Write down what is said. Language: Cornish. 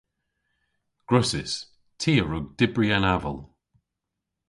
Gwrussys. Ty a wrug dybri an aval.